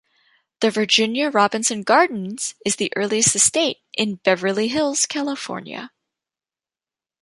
The Virginia Robinson Gardens is the earliest estate in Beverly Hills, California.